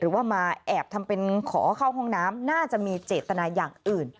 ว่ามาแอบทำเป็นขอเข้าห้องน้ำน่าจะมีเจตนาอย่างอื่น